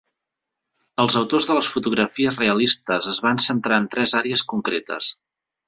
Els autors de les fotografies realistes es van centrar en tres àrees concretes.